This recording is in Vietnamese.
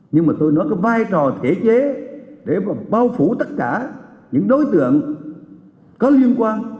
nhưng mà tôi nói cái vai trò thể chế để mà bao phủ tất cả những đối tượng có liên quan